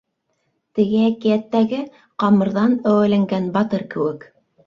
Теге әкиәттәге ҡамырҙан әүәләнгән батыр кеүек...